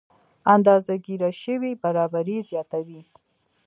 اندازه ګیره شوې برابري زیاتوي.